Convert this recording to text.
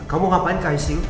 kamu ngapain ke icu